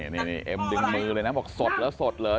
นี่เอ็มดึงมือเลยนะบอกสดแล้วสดเลย